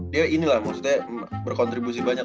dia ini lah maksudnya berkontribusi banyak